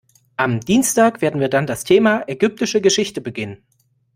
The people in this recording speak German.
Am Dienstag werden wir dann das Thema ägyptische Geschichte beginnen.